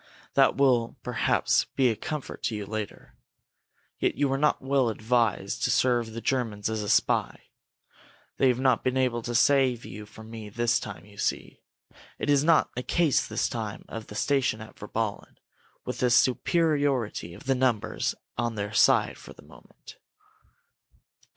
"That will, perhaps, be a comfort to you later. Yet you were not well advised to serve the Germans as a spy. They have not been able to save you from me this time, you see. It is not a case this time of the station at Virballen, with the superiority of numbers on their side for the moment."